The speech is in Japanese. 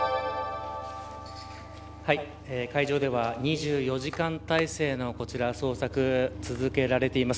海上では２４時間体制の捜索が続けられています。